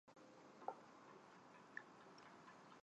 本种果实因具刺状物而得名刺蒺藜。